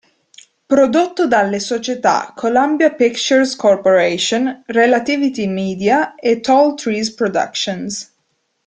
Prodotto dalle società Columbia Pictures Corporation, Relativity Media e Tall Trees Productions.